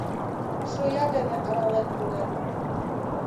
Шоя дене арален коден.